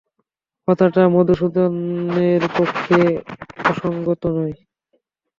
কথাটা মধুসূদনের পক্ষে অসংগত নয়।